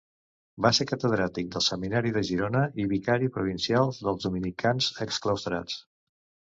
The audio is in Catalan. Va ser catedràtic del seminari de Girona i vicari provincial dels dominicans exclaustrats.